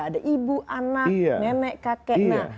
ada ibu anak nenek kakek